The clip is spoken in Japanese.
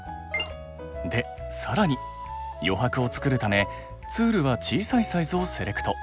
で更に余白をつくるためツールは小さいサイズをセレクト。